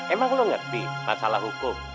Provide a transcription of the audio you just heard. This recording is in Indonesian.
emang lo ngerti masalah hukum